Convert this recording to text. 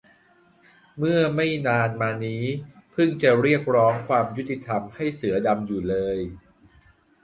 เมื่อไม่นานมานี้เพิ่งจะเรียกร้องความยุติธรรมให้เสือดำอยู่เลย